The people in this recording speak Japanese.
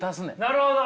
なるほど！